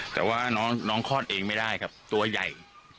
แต่ว่าน้องคลอดเองไม่ได้ครับตัวใหญ่